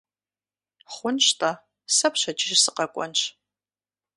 Хъунщ-тӀэ, сэ пщэдджыжь сыкъэкӀуэнщ.